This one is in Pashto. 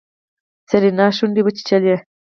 سېرېنا شونډې وچيچلې.